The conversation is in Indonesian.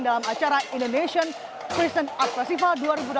dalam acara indonesian fristen art festival dua ribu delapan belas